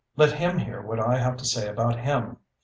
Let him hear what I have to say about him.